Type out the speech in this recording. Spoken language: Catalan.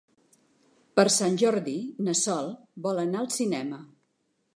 Per Sant Jordi na Sol vol anar al cinema.